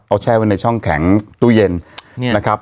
เอาแช่ไว้ในช่องแข็งตู้เย็นนะครับ